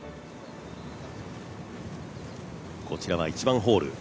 こちらは１番ホール。